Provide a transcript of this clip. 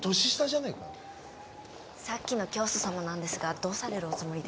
「さっきの教祖さまなんですがどうされるおつもりですか？」